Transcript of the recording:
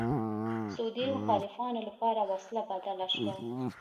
سعودي مخالفانو لپاره وسله بدله شوه